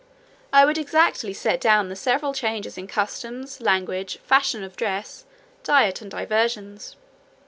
I would exactly set down the several changes in customs, language, fashions of dress, diet, and diversions.